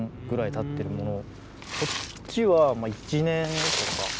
こっちは１年とか。